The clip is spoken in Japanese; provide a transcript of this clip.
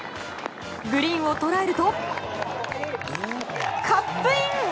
グリーンを捉えるとカップイン。